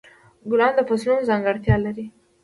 ګلان د فصلونو ځانګړتیا لري.